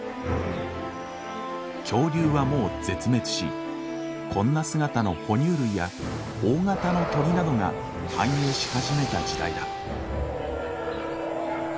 恐竜はもう絶滅しこんな姿の哺乳類や大型の鳥などが繁栄し始めた時代だ。